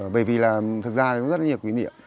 bởi vì là thực ra nó rất là nhiều quý niệm